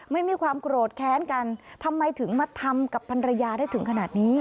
ไม่มีความโกรธแค้นกันทำไมถึงมาทำกับพันรยาได้ถึงขนาดนี้